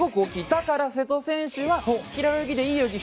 だから瀬戸選手は平泳ぎでいい泳ぎ。